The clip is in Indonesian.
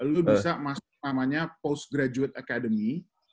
lu bisa masuk namanya post graduate academy